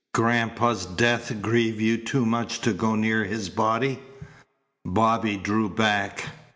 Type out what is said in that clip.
Grandpa's death grieved you too much to go near his body?" Bobby drew back.